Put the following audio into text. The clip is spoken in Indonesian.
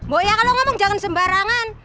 bu ya kalau ngomong jangan sembarangan